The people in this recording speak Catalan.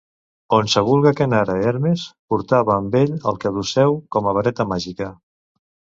Onsevulga que anara Hermes portava amb ell el caduceu com a vareta màgica.